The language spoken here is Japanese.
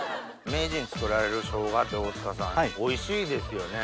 名人作られるショウガって大塚さんおいしいですよね？